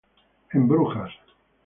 En "Brujas.